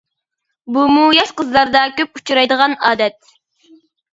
بۇمۇ ياش قىزلاردا كۆپ ئۇچرايدىغان ئادەت.